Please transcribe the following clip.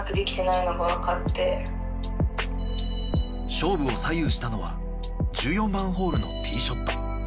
勝負を左右したのは１４番ホールのティショット。